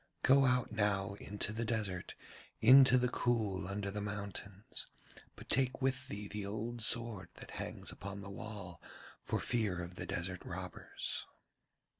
Go out now into the desert, into the cool under the mountains, but take with thee the old sword that hangs upon the wall for fear of the desert robbers.'